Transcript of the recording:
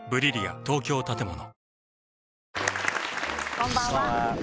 こんばんは。